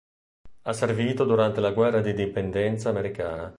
Ha servito durante la guerra d'indipendenza americana.